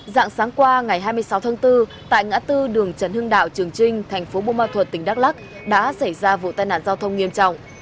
dạng sáng qua ngày hai mươi sáu tháng bốn tại ngã tư đường trần hưng đạo trường trinh thành phố bùa ma thuật tỉnh đắk lắc đã xảy ra vụ tai nạn giao thông nghiêm trọng